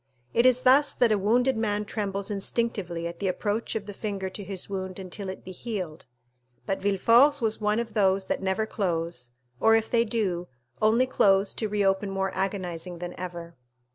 It is thus that a wounded man trembles instinctively at the approach of the finger to his wound until it be healed, but Villefort's was one of those that never close, or if they do, only close to reopen more agonizing than ever.